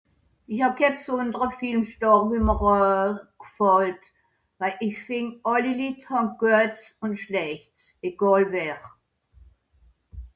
ich hab ken filmstar gare